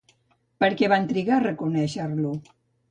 Per què van trigar a reconèixer-lo?